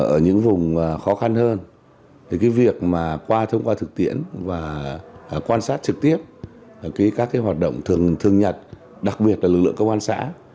ở những vùng khó khăn hơn thì cái việc mà qua thông qua thực tiễn và quan sát trực tiếp các cái hoạt động thường thường nhật đặc biệt là lực lượng công an xã